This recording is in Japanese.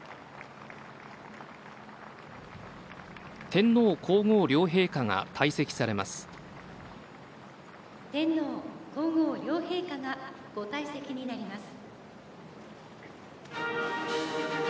天皇皇后両陛下が退席されます。